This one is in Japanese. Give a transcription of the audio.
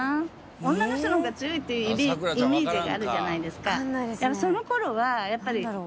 女の人の方が強いっていうイメージがあるじゃないですか。